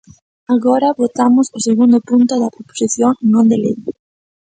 Agora votamos o segundo punto da proposición non de lei.